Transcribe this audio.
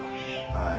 はい。